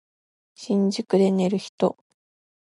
新宿で寝る人